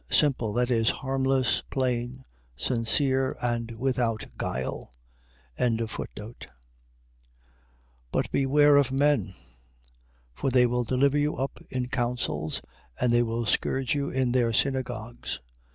Simple. . .That is, harmless, plain, sincere, and without guile. 10:17. But beware of men. For they will deliver you up in councils, and they will scourge you in their synagogues. 10:18.